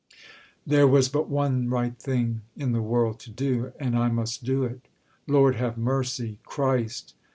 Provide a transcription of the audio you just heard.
There was but one right thing in the world to do; And I must do it. ... Lord, have mercy! Christ!